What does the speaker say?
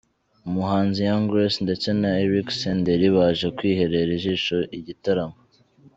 Umuhanzi Young Grace ndetse na Eric Senderi baje kwihera ijisho igitaramo .